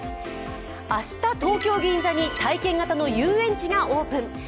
明日、東京・銀座に体験型の遊園地がオープン。